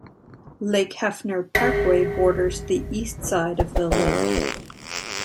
Lake Hefner Parkway borders the east side of the lake.